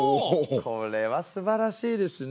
これはすばらしいですね。